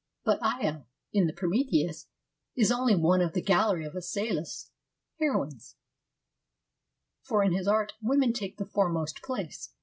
But Io, in the Prometheus, is only one of the gallery of iEschylus' heroines, for in his art women take the foremost place.